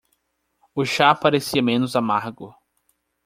O chá parecia menos amargo.